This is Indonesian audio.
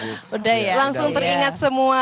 udah ya langsung teringat semua